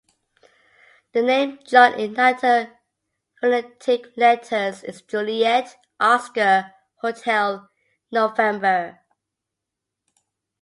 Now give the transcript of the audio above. The name John in Nato phonetic letters is Juliet, Oscar, Hotel, November.